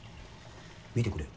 見てくれよ。